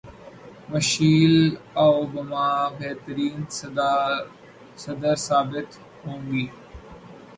Michel Obama بہترین صدر ثابت ہوں گی